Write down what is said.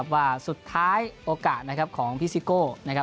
ว่าสุดท้ายโอกาสของภีศกิโก